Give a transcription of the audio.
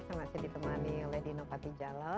saya masih ditemani oleh dino patijalal